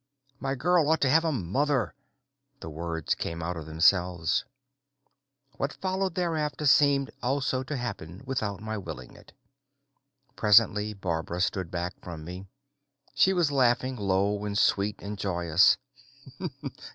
"My girl ought to have a mother " The words came of themselves. What followed thereafter seemed also to happen without my willing it. Presently Barbara stood back from me. She was laughing, low and sweet and joyous.